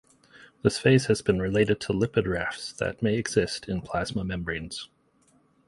This phase has been related to lipid rafts that may exist in plasma membranes.